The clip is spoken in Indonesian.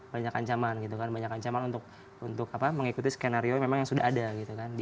banyak ancaman gitu kan banyak ancaman untuk mengikuti skenario memang yang sudah ada gitu kan